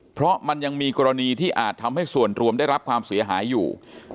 เพราะมันยังมีกรณีที่อาจทำให้ส่วนรวมได้รับความเสียหายอยู่